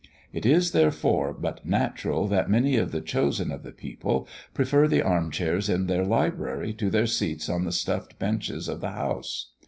It is, therefore, but natural that many of the chosen of the people prefer the arm chairs in their library to their seats on the stuffed benches of the House.